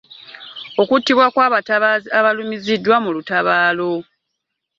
Okuttibwa kw’abatabaazi abalumiziddwa mu lutabaalo.